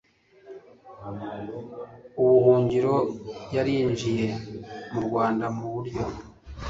ubuhungiro yarinjiye mu Rwanda mu buryo